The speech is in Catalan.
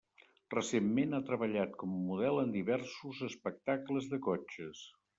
Recentment ha treballat com a model en diversos espectacles de cotxes.